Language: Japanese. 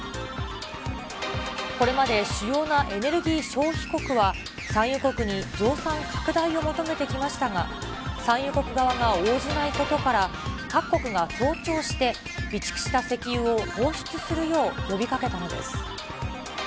これまで主要なエネルギー消費国は産油国に増産拡大を求めてきましたが、産油国側が応じないことから、各国が協調して備蓄した石油を放出するよう呼びかけたのです。